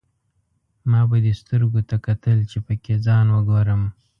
ما به دې سترګو ته کتل، چې پکې ځان وګورم.